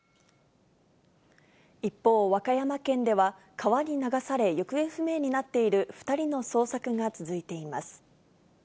一方、和歌山県では、川に流され行方不明になっている２人の捜索が続いています。